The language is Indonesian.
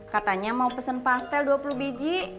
katanya mau pesen pastel dua puluh biji